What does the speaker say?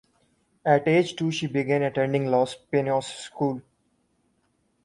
At age two she began attending Los Pinos school.